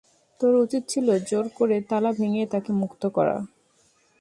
তোর উচিত ছিল জোর করে তালা ভেঙে তাকে মুক্ত করা।